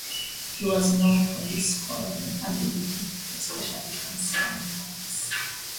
He was known for his scoring ability, especially on slam dunks.